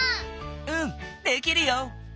うんできるよ。